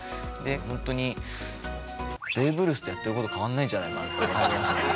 ほんとにベーブ・ルースとやってること変わんないんじゃないかって。